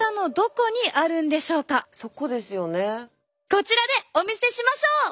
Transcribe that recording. こちらでお見せしましょう！